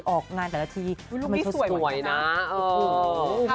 ออกงานแต่ละทีศัตรูสุดสวยมาก